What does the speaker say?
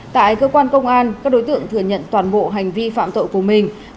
tại cơ quan công an các đối tượng thừa nhận toàn bộ hành vi phạm tội của mình